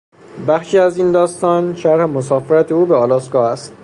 بخشی از این داستان شرح مسافرت او به آلاسکا است.